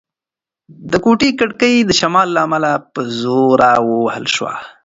د کوټې کړکۍ د شمال له امله په زوره ووهل شوه.